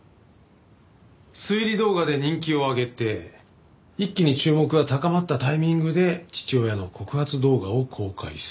推理動画で人気を上げて一気に注目が高まったタイミングで父親の告発動画を公開する。